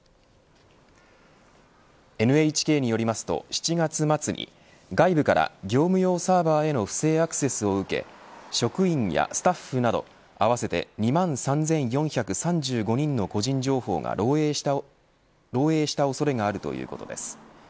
ＮＨＫによりますと７月末に外部から業務用サーバへの不正アクセスを受け職員やスタッフなど合わせて２万３４３５人の個人情報が漏えいした恐れがあるということです。